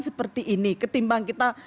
seperti ini ketimbang kita